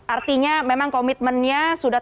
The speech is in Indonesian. artinya memang komitmennya sudah